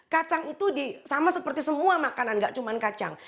kacang itu sama seperti semua makanan gak cuma kacang